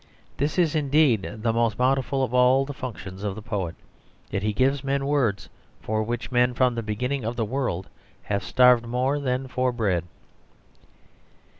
This is indeed the most bountiful of all the functions of the poet, that he gives men words, for which men from the beginning of the world have starved more than for bread.